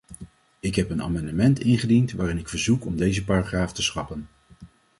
Ik heb een amendement ingediend waarin ik verzoek om deze paragraaf te schrappen.